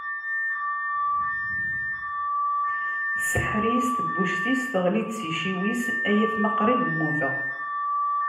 Tseḥḥer-iyi s tebbuct-is, teɣli-d s iciwi-s, ay atma qrib mmuteɣ!